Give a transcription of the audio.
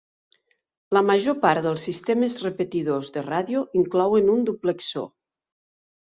La major part dels sistemes repetidors de ràdio inclouen un duplexor.